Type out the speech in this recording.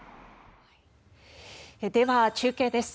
では、中継です。